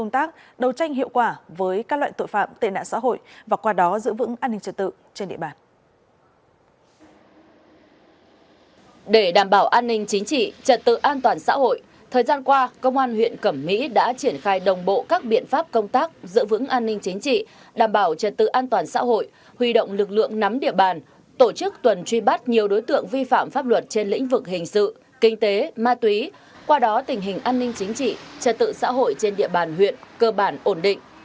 trật tự an toàn xã hội thời gian qua công an huyện cẩm mỹ đã triển khai đồng bộ các biện pháp công tác giữ vững an ninh chính trị đảm bảo trật tự an toàn xã hội huy động lực lượng nắm địa bàn tổ chức tuần truy bắt nhiều đối tượng vi phạm pháp luật trên lĩnh vực hình sự kinh tế ma túy qua đó tình hình an ninh chính trị trật tự xã hội trên địa bàn huyện cơ bản ổn định